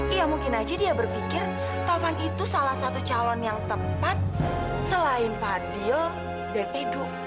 ya mungkin aja dia berpikir tafan itu salah satu calon yang tepat selain adil dan hidup